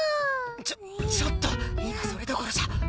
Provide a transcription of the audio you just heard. ちょちょっと今それどころじゃ。